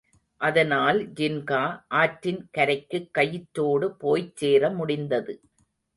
அதனால் ஜின்கா ஆற்றின் கரைக்குக் கயிற்றோடு போய்ச் சேர முடிந்தது.